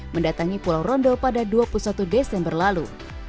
mendatangi pulau rondo pada dua puluh satu desember lalu